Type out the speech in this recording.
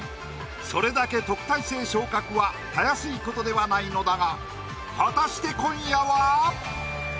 それだけ特待生昇格はたやすいことではないのだが果たして今夜は？